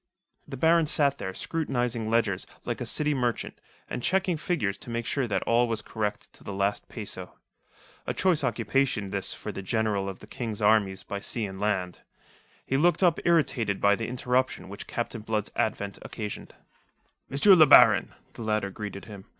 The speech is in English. The Baron sat there scrutinizing ledgers, like a city merchant, and checking figures to make sure that all was correct to the last peso. A choice occupation this for the General of the King's Armies by Sea and Land. He looked up irritated by the interruption which Captain Blood's advent occasioned. "M. le Baron," the latter greeted him.